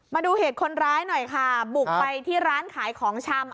มาดูเหตุคนร้ายหน่อยค่ะบุกไปที่ร้านขายของชำ